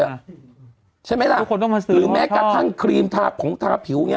ใช่ไหมล่ะทุกคนต้องมาซื้อหรือแม้กระทั่งครีมทาผงทาผิวอย่างนี้